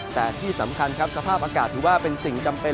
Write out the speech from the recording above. แต่ที่สำคัญครับสภาพอากาศถือว่าเป็นสิ่งจำเป็น